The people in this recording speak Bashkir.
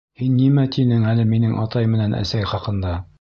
Һин нимә тинең әле минең атай менән әсәй хаҡында?